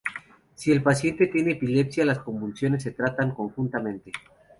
Si el paciente tiene epilepsia, las convulsiones se tratarán conjuntamente.